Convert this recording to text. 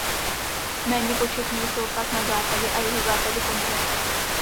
Méně početní jsou pak na západě a jihozápadě kontinentu.